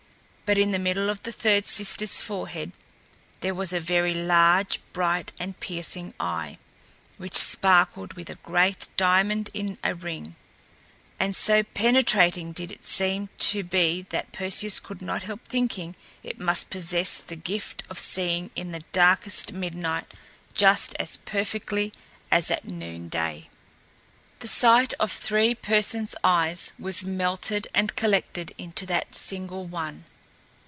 But in the middle of the third sister's forehead there was a very large, bright and piercing eye, which sparkled like a great diamond in a ring; and so penetrating did it seem to be that Perseus could not help thinking it must possess the gift of seeing in the darkest midnight just as perfectly as at noonday. The sight of three persons' eyes was melted and collected into that single one.